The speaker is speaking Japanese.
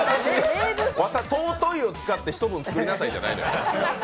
「尊い」を使って一文作りなさいじゃないんですよ。